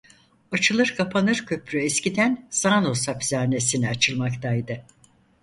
Açılır kapanır köprü eskiden Zağnos hapishanesine açılmaktaydı.